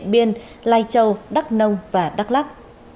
biên lai châu đắk nông và đắk lắc